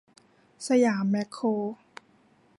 สยามแม็คโคร